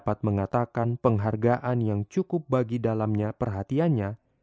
sampai jumpa di video selanjutnya